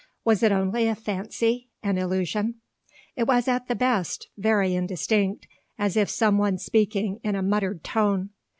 Was it only a fancy, an illusion? It was at the best very indistinct, as of some one speaking in a muttered tone.